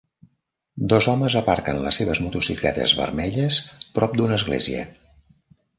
Dos homes aparquen les seves motocicletes vermelles prop d'una església.